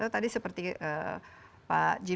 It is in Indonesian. tadi seperti pak jim